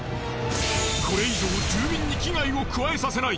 これ以上住民に危害を加えさせない。